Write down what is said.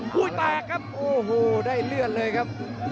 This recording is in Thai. แตกครับโอ้โหได้เลือดเลยครับ